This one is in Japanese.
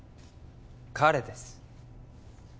彼です